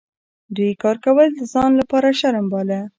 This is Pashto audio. دوی کار کول د ځان لپاره شرم باله.